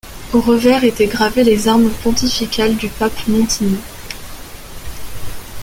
Au revers étaient gravées les armes pontificales du pape Montini.